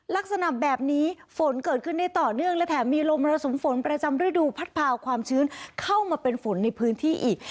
ลักษณะแบบนี้ฝนเกิดขึ้นได้ต่อเนื่องและแถมมีลมระสุมฝนประจำฤดูพัดพาความชื้นเข้ามาเป็นฝนในพื้นที่อีก